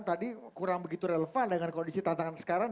tadi kurang begitu relevan dengan kondisi tantangan sekarang